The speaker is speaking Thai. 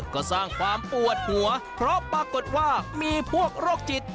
ก็สร้างความปวดหัวเพราะปรากฏว่ามีพวกโรคจิต